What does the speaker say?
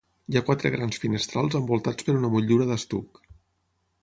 Hi ha quatre grans finestrals envoltats per una motllura d'estuc.